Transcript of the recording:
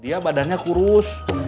dia badannya kurus